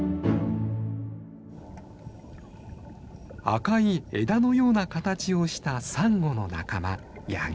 赤い枝のような形をしたサンゴの仲間